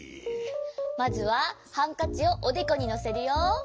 まずはハンカチをおでこにのせるよ。